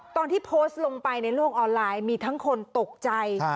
ตอนที่โพสต์ลงไปในโลกออนไลน์มีทั้งคนตกใจ